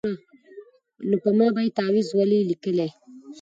نو په ما به یې تعویذ ولي لیکلای